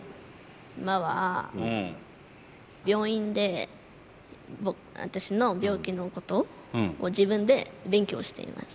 今は病院で私の病気のことを自分で勉強しています。